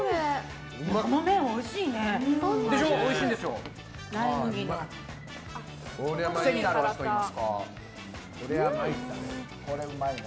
この麺、おいしいね。